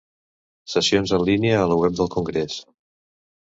Sessions en línia a la web del Congrés.